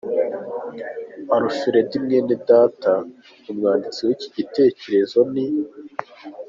Alfred Mwenedata, Umwanditsi w’iki gitekerezo ni .